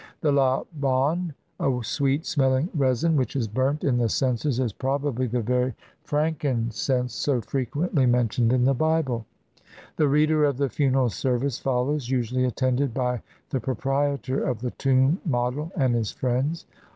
The lahhaiin, a sweet smelling resin which is burnt in the censers, is probably the very frank 213 INDIA incense so frequently mentioned in the Bible. The reader of the funeral service follows, usually attended by the proprietor of the tomb model and his friends.